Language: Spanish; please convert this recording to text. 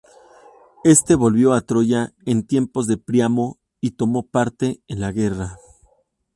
Este volvió a Troya en tiempos de Príamo y tomó parte en la guerra.